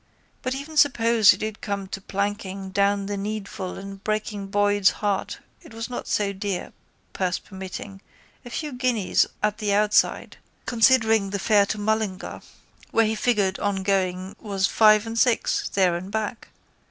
But even suppose it did come to planking down the needful and breaking Boyd's heart it was not so dear, purse permitting, a few guineas at the outside considering the fare to Mullingar where he figured on going was five and six, there and back.